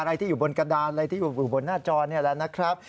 อะไรที่อยู่บนกระดานอะไรที่อยู่บนหน้าจอแล้วนะครับ